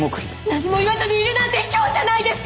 何も言わずにいるなんてひきょうじゃないですか！